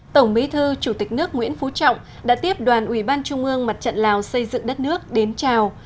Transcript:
tổng bí thư chủ tịch nước nguyễn phú trọng đã tiếp đoàn ủy ban trung ương mặt trận lào xây dựng đất nước đến chào